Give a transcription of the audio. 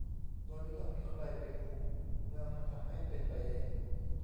โดยไม่ต้องมีใครไปคุม เมืองมันทำให้เป็นไปเอง